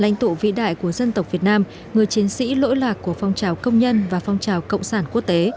lãnh tụ vĩ đại của dân tộc việt nam người chiến sĩ lỗi lạc của phong trào công nhân và phong trào cộng sản quốc tế